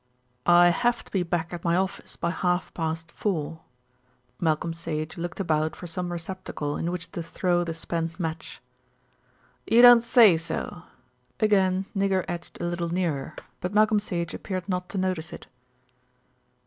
"I have to be back at my office by half past four." Malcolm Sage looked about for some receptacle in which to throw the spent match. "You don't say so." Again Nigger edged a little nearer; but Malcolm Sage appeared not to notice it.